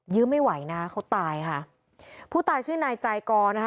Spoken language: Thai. ื้อไม่ไหวนะคะเขาตายค่ะผู้ตายชื่อนายใจกรนะคะ